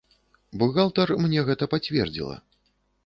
Бухгалтар мне гэта пацвердзіла.